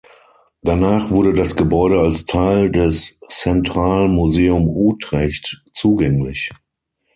Danach wurde das Gebäude als Teil des Centraal Museum Utrecht zugänglich.